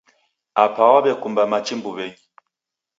Apa waw'ekumba machi mbuw'enyi.